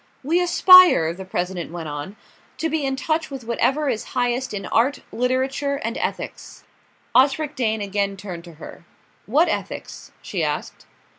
"We aspire," the President went on, "to be in touch with whatever is highest in art, literature and ethics." Osric Dane again turned to her. "What ethics?" she asked.